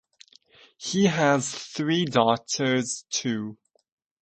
He has three daughters too.